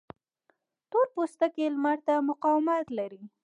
تور پوستکی لمر ته مقاومت لري